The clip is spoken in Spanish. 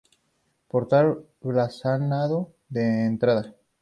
Portal blasonado de entrada.